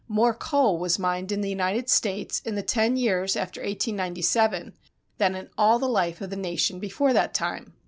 More coal was mined in the United States in the ten years after 1897 than in all the life of the nation before that time.